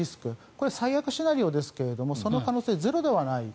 これは最悪シナリオですがその可能性、ゼロではない。